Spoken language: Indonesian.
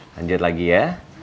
lanjut lagi ya